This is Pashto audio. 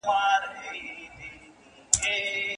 لا صوفي له پښو څپلۍ نه وې ایستلې